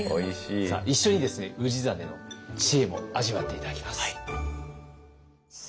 一緒に氏真の知恵も味わって頂きます。